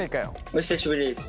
お久しぶりです。